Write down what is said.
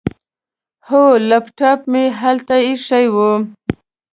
هو، لیپټاپ مې هلته ایښی و.